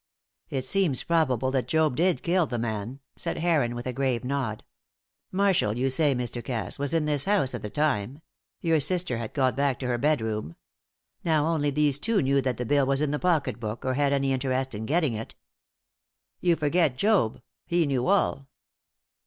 "It seems probable that Job did kill the man," said Heron, with a grave nod. "Marshall, you say, Mr. Cass, was in this house at the time: your sister had got back to her bedroom. Now, only these two knew that the bill was in the pocket book or had any interest in getting it." "You forget Job; he knew all."